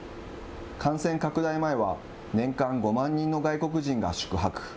感染拡大前は、年間５万人の外国人が宿泊。